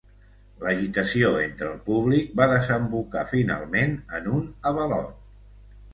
L'agitació entre el públic va desembocar finalment en un avalot.